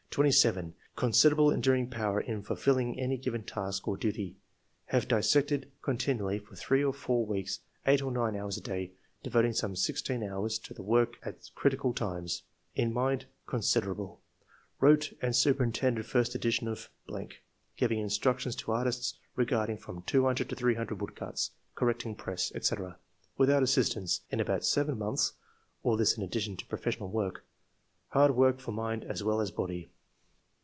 Considerable enduring power in fulfilling any given task or duty ; have dissected con tinually for three or four weeks eight or nine hours a day, devoting some sixteen hours to the work at critical times. In mind — Considerable. 11.] QUALITIES. ' 91 Wrote and superintended first edition of ...., giving instructions to artists regarding from 200 to 300 woodcuts, correcting press, &c., without assistance, in about seven months [all this in addition to professional work] ; hard work for mind as well as body."